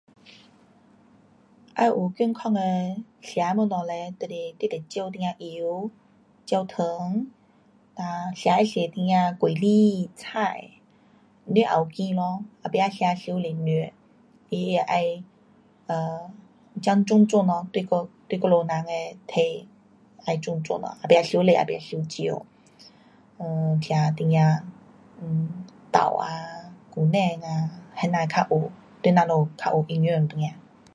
要有健康的吃东西嘞就是你得少一点油，少糖，哒吃会多一点果子，菜，肉也得选咯，也不可吃太多肉。你也要准准咯，对我们人的体。要准准咯，也不可太多，也不可太少。[um]吃一点[um]豆啊，牛奶啊，那样的较有，对我们较有一样一点。